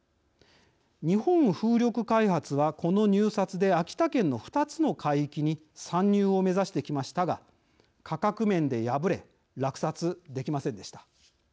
日本風力開発は、この入札で秋田県の２つの海域に参入を目指してきましたが価格面で敗れ落札できませんでした。